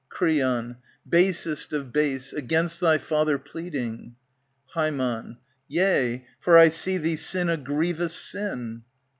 Creon. Basest of base, against thy father pleading ! Ham, Yea, for I see thee sin a grievous sin.